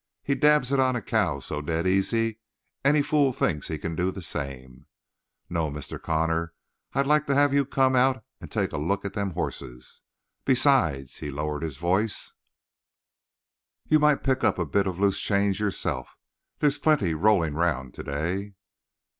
He daubs it on a cow so dead easy any fool thinks he can do the same. No, Mr. Connor, I'd still like to have you come out and take a look at them hosses. Besides" he lowered his voice "you might pick up a bit of loose change yourself. They's a plenty rolling round to day."